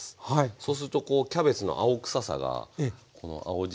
そうするとこうキャベツの青臭さがこの青じ